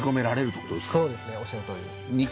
そうですねおっしゃるとおり。